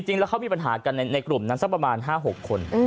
จริงแล้วเขามีปัญหากันในกลุ่มนั้นสักประมาณ๕๖คน